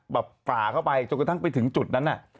แบบฝ่าเข้าไปอยู่ทั้งถึงจุดนั้น